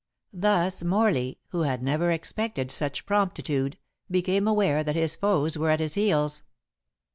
Thus Morley, who had never expected such promptitude, became aware that his foes were at his heels.